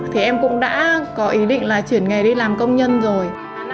thì em cũng đã có ý định là chuyển nghề đi làm công nhân rồi